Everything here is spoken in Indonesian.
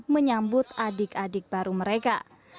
menyambut adik adik baru mereka